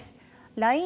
ＬＩＮＥ